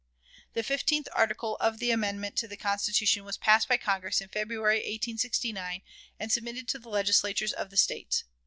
The fifteenth article of amendment to the Constitution was passed by Congress in February, 1869, and submitted to the Legislatures of the States.